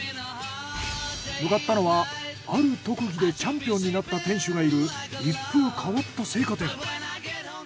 向かったのはある特技でチャンピオンになった店主がいる一風変わった青果店。